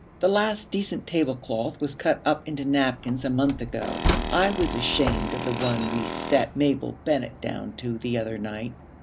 The last decent tablecloth was cut up into napkins a month ago. I was ashamed of the one we set Mabel Bennet down to the other night.'